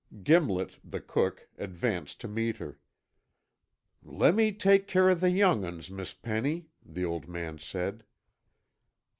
Gimlet, the cook, advanced to meet her. "Lemme take care o' the young 'uns, Miss Penny," the old man said.